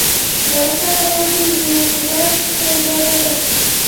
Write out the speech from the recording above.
مرکه یوازې د یوټوبر سودا نه ده.